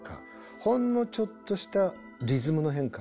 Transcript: ほんのちょっとしたリズムの変化